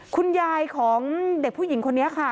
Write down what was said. คุณยายของเด็กผู้หญิงคนนี้ค่ะ